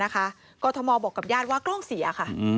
กรทมบอกกับญาติว่ากล้องเสียค่ะ